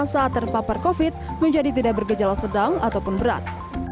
saat terpapar covid menjadi tidak bergejala sedang ataupun berat